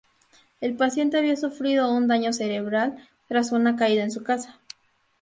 El paciente había sufrido un daño cerebral tras una caída en su casa.